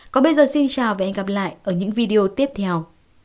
còn bây giờ xin chào và hẹn gặp lại ở những video tiếp theo